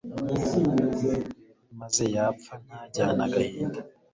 maze yapfa ntajyane agahinda